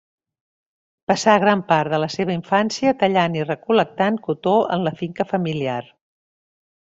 Passà gran part de la seva infància tallant i recol·lectant cotó en la finca familiar.